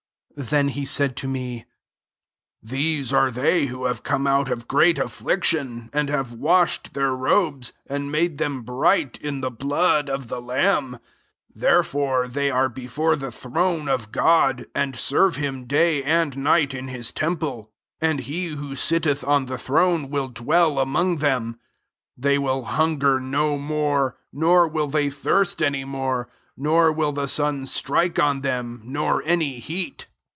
Then he said to me, "These are they who have cotne out of great affliction, and have washed their robes, and made them bright, in the blood of the lamb* 15 Therefore they are before the throne of God, and serve him day and night in his temple ; and he who sitteth on the throne will dwell among them. 16 They will hunger no more, nor will they thirst any more; nor will the sun strike on them» nor any heat.